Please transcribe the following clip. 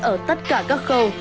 ở tất cả các khâu